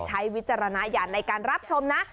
ใช้วิจารณาอย่างในการรับชมนะ